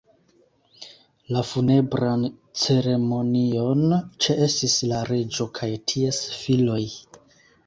La funebran ceremonion ĉeestis la reĝo kaj ties filoj.